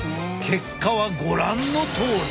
結果はご覧のとおり。